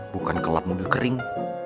bukan ke lap mobil kering